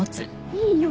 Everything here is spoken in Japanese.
いいよ。